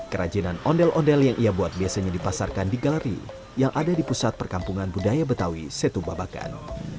kerajinan ondel ondel yang ia buat biasanya dipasarkan di galeri yang ada di pusat perkampungan budaya betawi setubabakan